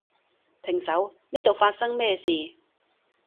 停手，呢度發生咩事？